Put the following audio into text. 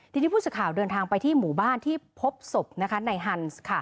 ทีนี้ผู้สื่อข่าวเดินทางไปที่หมู่บ้านที่พบศพนายฮันส์